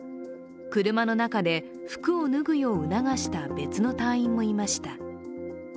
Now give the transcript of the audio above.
車の中で服を脱ぐよう促した別の隊員もいました。